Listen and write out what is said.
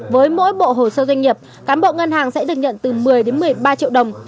với mỗi bộ hồ sơ doanh nghiệp cán bộ ngân hàng sẽ được nhận từ một mươi một mươi ba triệu đồng